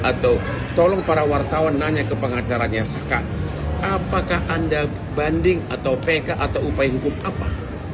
atau tolong para wartawan nanya ke pengacaranya suka apakah anda banding atau pk atau upaya hukum apa